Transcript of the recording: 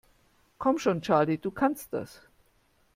Komm schon, Charlie, du kannst das!